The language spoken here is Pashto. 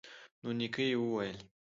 نو نیکه یې وویل